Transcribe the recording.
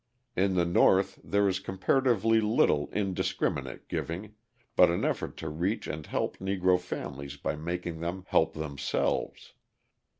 In the North there is comparatively little indiscriminate giving, but an effort to reach and help Negro families by making them help themselves.